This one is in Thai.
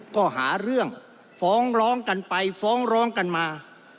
ก็หาเรื่องฟ้องร้องกันไปฟ้องร้องกันมา